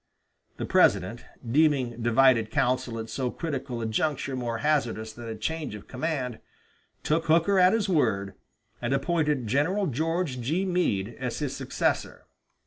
The President, deeming divided counsel at so critical a juncture more hazardous than a change of command, took Hooker at his word, and appointed General George G. Meade as his successor.